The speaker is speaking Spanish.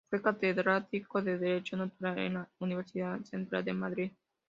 Fue catedrático de Derecho Natural en la Universidad Central de Madrid.